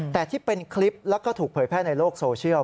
แต่ที่เป็นคลิปแล้วก็ถูกเผยแพร่ในโลกโซเชียล